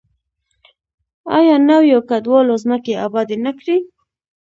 آیا نویو کډوالو ځمکې ابادې نه کړې؟